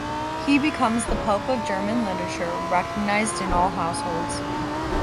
He becomes the Pope of German Literature, recognized in all households.